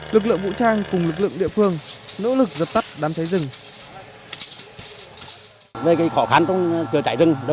lực lượng vũ trang cùng lực lượng địa phương nỗ lực dập tắt đám cháy rừng